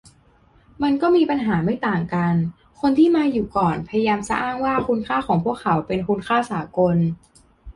มันก็มีป้ญหาไม่ต่างกัน - คนที่มาอยู่ก่อนพยายามจะอ้างว่าคุณค่าของพวกเขาเป็นคุณค่าสากล